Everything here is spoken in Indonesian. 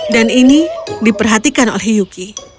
dan ini diperhatikan oleh yuki